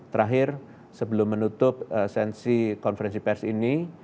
terakhir sebelum menutup sensi konferensi pers ini